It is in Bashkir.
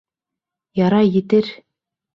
Ярай, етер!..